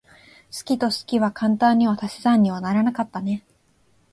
好きと好きは簡単には足し算にはならなかったね。